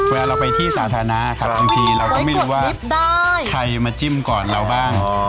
เวลาเราไปที่สาธารณะค่ะบางทีเราก็ไม่รู้ว่าใครมาจิ้มก่อนเราบ้าง